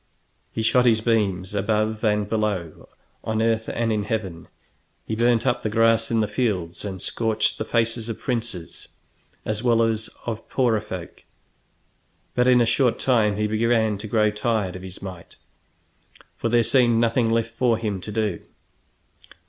He shot his beams above and below, on earth and in heaven; he burnt up the grass in the fields and scorched the faces of princes as well as of poorer folk. But in a short time he began to grow tired of his might, for there seemed nothing left for him to do.